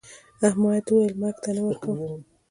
احمد وويل: مرگ ته نه ورکوم.